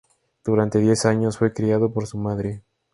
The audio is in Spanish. Durante diez años fue criado por su madre.